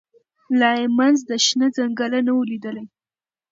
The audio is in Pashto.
لا یې منځ د شنه ځنګله نه وو لیدلی